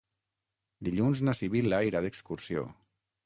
Dilluns na Sibil·la irà d'excursió.